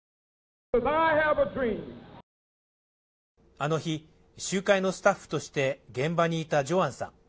あの日、集会のスタッフとして現場にいたジョアンさん。